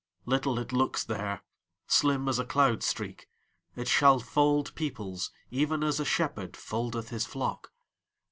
Little it looks there, Slim as a cloud streak; It shall fold peoplesEven as a shepherdFoldeth his flock.